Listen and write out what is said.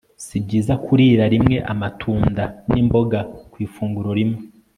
Si byiza kurira rimwe amatunda nimboga ku ifunguro rimwe